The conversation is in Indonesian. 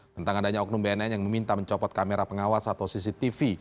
tentang adanya oknum bnn yang meminta mencopot kamera pengawas atau cctv